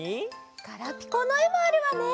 ガラピコのえもあるわね。